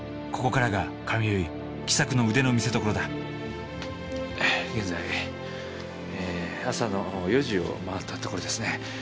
ここからが髪結い喜作の腕の見せどころだ現在朝の４時を回ったところですね。